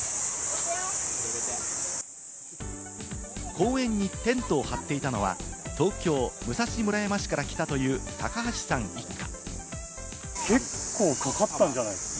公園にテントを張っていたのは、東京・武蔵村山市から来たという高橋さん一家。